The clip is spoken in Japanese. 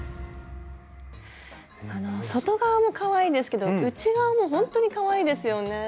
あの外側もかわいいですけど内側もほんとにかわいいですよね。